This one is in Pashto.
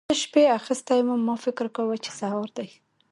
زه شپې اخيستی وم؛ ما فکر کاوو چې سهار دی.